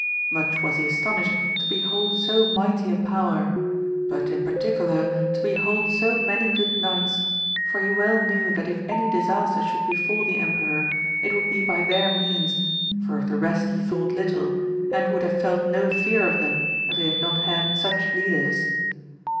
Much was he aston ished to behold so mighty a power, but in particular to behold so many good knights, for he well knew that •if any disaster should befall the emperor, it would be by their means, for of the rest he thought little, and would have felt no fear of them if they had not had such leaders.